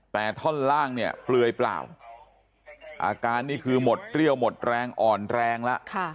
แต่ท่อนล่างเนี่ยเปลือยเปล่าอาการนี่คือหมดเรี่ยวหมดแรงอ่อนแรงแล้ว